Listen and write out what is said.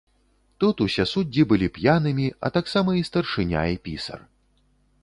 Тут усе суддзі былі п'янымі, а таксама і старшыня і пісар.